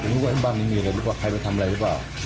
ผมก็ไม่รู้ว่าที่บ้านนี้มีอะไรหรือเปล่าใครไปทำอะไรหรือเปล่า